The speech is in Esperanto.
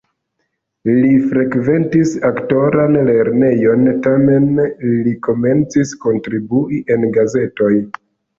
Li frekventis aktoran lernejon, tamen li komencis kontribui en gazetoj.